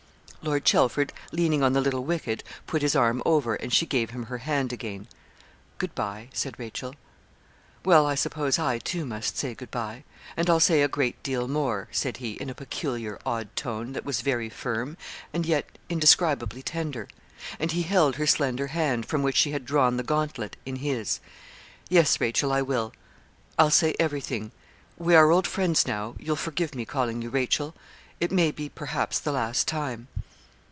Lord Chelford, leaning on the little wicket, put his arm over, and she gave him her hand again. 'Good bye,' said Rachel. 'Well, I suppose I, too, must say good bye; and I'll say a great deal more,' said he, in a peculiar, odd tone, that was very firm, and yet indescribably tender. And he held her slender hand, from which she had drawn the gauntlet, in his. 'Yes, Rachel, I will I'll say everything. We are old friends now you'll forgive me calling you Rachel it may be perhaps the last time.'